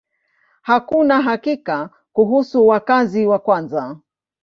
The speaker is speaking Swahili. Hakuna hakika kuhusu wakazi wa kwanza.